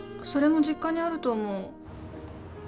それも実家にあると思う